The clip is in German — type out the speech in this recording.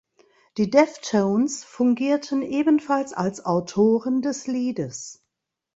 Die Deftones fungierten ebenfalls als Autoren des Liedes.